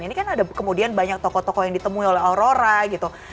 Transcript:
ini kan ada kemudian banyak tokoh tokoh yang ditemui oleh aurora gitu